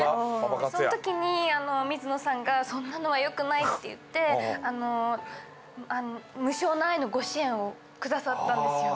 その時に水野さんが「そんなのは良くない」って言って無償の愛のご支援をくださったんですよ。